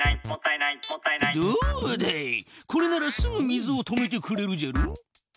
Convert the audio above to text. これならすぐ水を止めてくれるじゃろ。